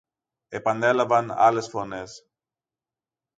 επανέλαβαν άλλες φωνές.